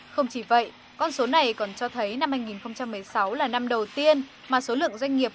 không chỉ vậy con số này còn cho thấy năm hai nghìn một mươi sáu là năm đầu tiên mà số lượng doanh nghiệp